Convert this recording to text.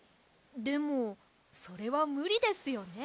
でもそれはむりですよね。